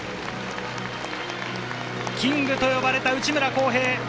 キングと呼ばれた内村航平。